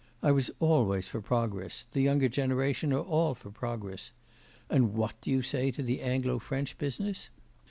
I was always for progress the younger generation are all for progress. And what do you say to the Anglo French business?